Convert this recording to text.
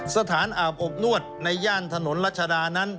สถานอาบอบนวดในย่านถนนรัชดานั้น